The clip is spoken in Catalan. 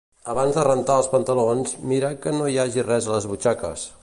Abans de rentar els pantalons mirar que no hi hagi res a les butxaques